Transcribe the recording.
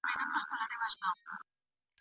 زما په ذهن كي